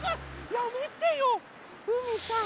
やめてようみさん